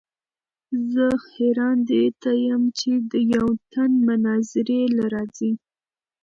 زۀ حېران دې ته يم چې يو تن مناظرې له راځي